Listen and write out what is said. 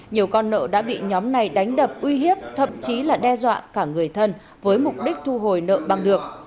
nhiều con nợ đã bị nhóm này đánh đập uy hiếp thậm chí là đe dọa cả người thân với mục đích thu hồi nợ bằng được